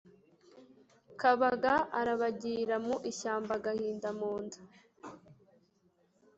Kabaga arabagira mu ishyamba-Agahinda mu nda.